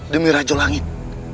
demi rajo langit